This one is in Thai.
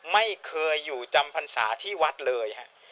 ไม่เคยอยู่จำพรรษาที่วัดเลยฮะ